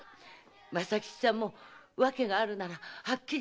政吉さんも訳があるならはっきり言ったらどうです？